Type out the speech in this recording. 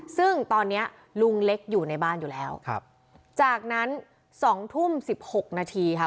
ซึ่งตอนเนี้ยลุงเล็กอยู่ในบ้านอยู่แล้วครับจากนั้นสองทุ่มสิบหกนาทีค่ะ